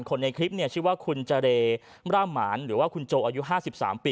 ในคลิปเนี่ยชื่อว่าคุณเจร่าหมานหรือว่าคุณโจอายุ๕๓ปี